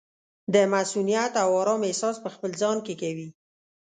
د مصؤنیت او ارام احساس پخپل ځان کې کوي.